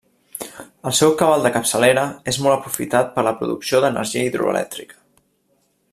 El seu cabal de capçalera és molt aprofitat per a la producció d'energia hidroelèctrica.